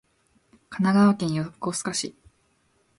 神奈川県横須賀市